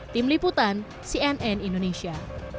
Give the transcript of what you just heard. tim liputan cnn indonesia